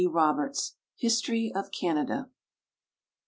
D. Roberts: "History of Canada."